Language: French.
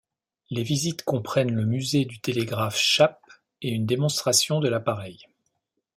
Les visites comprennent le musée du télégraphe Chappe et une démonstration de l'appareil.